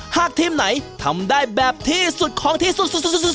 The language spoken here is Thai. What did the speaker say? หากทีมไหนทำได้แบบที่สุดของที่สุด